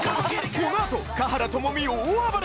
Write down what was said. このあと華原朋美大暴れ！